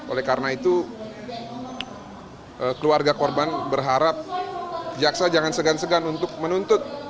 oleh karena itu keluarga korban berharap jaksa jangan segan segan untuk menuntut